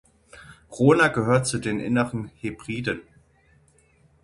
Rona gehört zu den Inneren Hebriden.